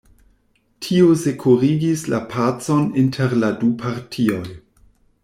Tio sekurigis la pacon inter la du partioj.